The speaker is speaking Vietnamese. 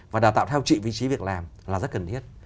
và đào tạo theo trị vị trí việc làm là rất cần thiết